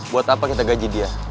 buat apa kita gaji dia